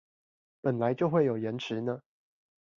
本來就會有延遲呢